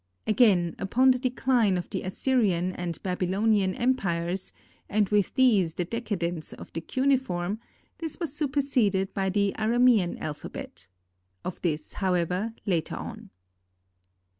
Again, upon the decline of the Assyrian and Babylonian empires, and with these the decadence of the cuneiform, this was superseded by the Aramean alphabet. Of this, however, later on.